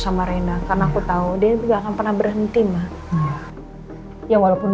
sama rena karena aku tahu dia juga akan pernah berhenti mah ya walaupun